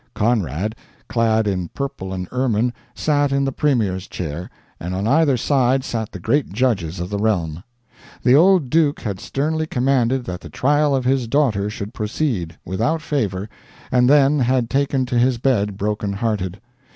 Conrad, clad in purple and ermine, sat in the Premier's chair, and on either side sat the great judges of the realm. The old duke had sternly commanded that the trial of his daughter should proceed without favor, and then had taken to his bed broken hearted.